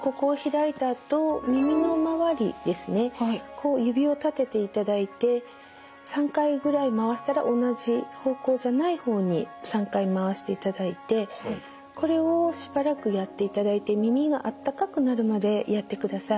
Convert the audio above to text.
こう指を立てていただいて３回ぐらい回したら同じ方向じゃない方に３回回していただいてこれをしばらくやっていただいて耳が温かくなるまでやってください。